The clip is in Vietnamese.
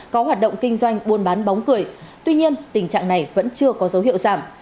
có hoạt động kinh doanh buôn bán bóng cười tuy nhiên tình trạng này vẫn chưa có dấu hiệu giảm